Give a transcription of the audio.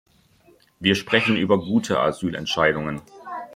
Wir sprechen über gute Asylentscheidungen.